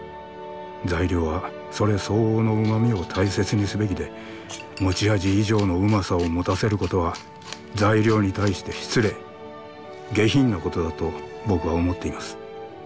材料はそれ相応の旨みを大切にすべきで持ち味以上の旨さを持たせることは材料に対して失礼下品なことだと僕は思っています。